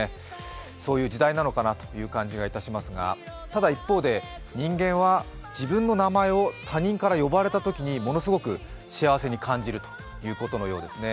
そういう時代なのかなという感じがいたしますがただ一方で人間は自分の名前を他人から呼ばれたときにものすごく幸せに感じるということのようですね。